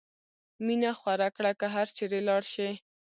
مینه خوره کړه که هر چېرې لاړ شې.